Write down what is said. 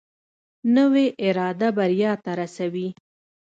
نوې اراده بریا ته رسوي